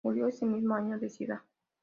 Murió ese mismo año de sida.